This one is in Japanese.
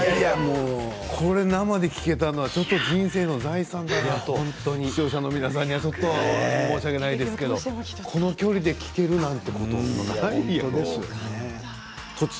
これを生で聴けたのは人生の財産だなと、視聴者の皆さんにはちょっと申し訳ないですけどこの距離で聴けるなんてことないやろ。